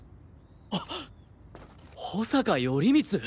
あっ保坂頼光！？